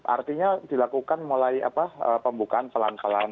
artinya dilakukan mulai pembukaan pelan pelan